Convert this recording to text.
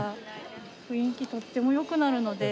雰囲気、とってもよくなるので。